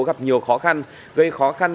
gặp nhiều khó khăn gây khó khăn